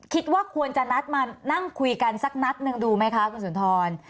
คิดว่าควรจะนัดมานั่งคุยกันสักนัดหนึ่งดูไหมคะคุณสุนทร